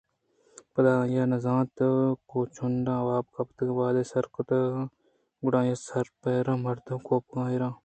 پدا آئیءَ نہ زانت ءُکوچنڈان ءَ واب کپت وہدے سد کُت گُڑا آئی ء ِسراپیر مرد ءِ کوپگ ءَ ایراَت